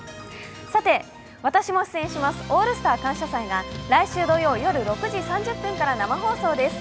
さて、私も出演します「オールスター感謝祭」が来週土曜夜６時３０分から生放送です